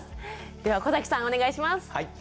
では小さんお願いします。